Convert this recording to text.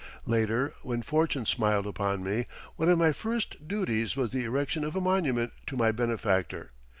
Later, when fortune smiled upon me, one of my first duties was the erection of a monument to my benefactor.